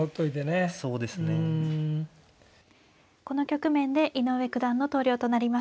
この局面で井上九段の投了となりました。